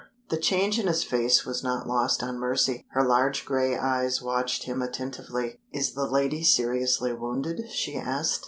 The change in his face was not lost on Mercy. Her large gray eyes watched him attentively. "Is the lady seriously wounded?" she asked.